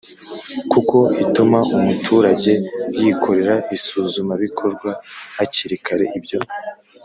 kuko ituma umuturage yikorera isuzumabikorwa hakiri kare, ibyo